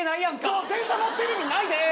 じゃあ電車乗ってる意味ないです。